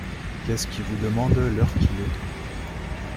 Qu’est-ce qui vous demande l’heure qu’il est ?…